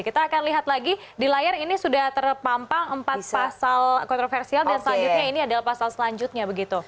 kita akan lihat lagi di layar ini sudah terpampang empat pasal kontroversial dan selanjutnya ini adalah pasal selanjutnya begitu